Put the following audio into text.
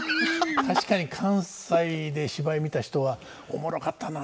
確かに関西で芝居見た人は「おもろかったな。